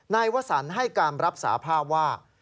วสันให้การรับสาภาพว่า